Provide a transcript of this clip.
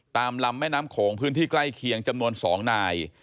ตามลำแม่น้ำโขงพื้นที่ใกล้เคียงจำนวน๒นาย